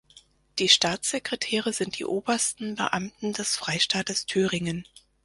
Die Staatssekretäre sind die obersten Beamten des Freistaates Thüringen.